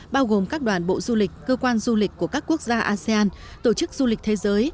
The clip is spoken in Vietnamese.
bao gồm các đoàn bộ du lịch cơ quan du lịch của các quốc gia asean tổ chức du lịch thế giới